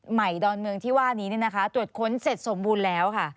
ใหม่ดอนเมืองที่ว่านี้นี่นะคะตรวจค้นเสร็จสมบูรณ์แล้วค่ะ